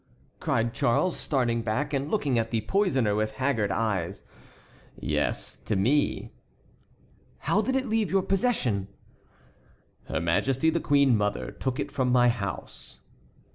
cried Charles, starting back and looking at the poisoner with haggard eyes. "Yes, to me." "How did it leave your possession?" "Her majesty the queen mother took it from my house."